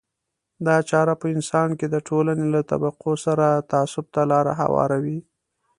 دا چاره په انسان کې د ټولنې له طبقو سره تعصب ته لار هواروي.